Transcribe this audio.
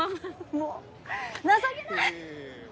もう情けない！